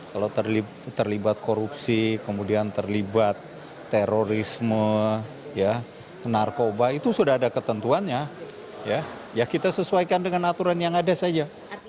kalau terlibat korupsi kemudian terlibat terorisme narkoba itu sudah ada ketentuannya ya kita sesuaikan dengan aturan yang ada saja